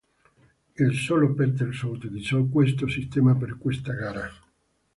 Il solo Peterson utilizzò questo sistema per questa gara.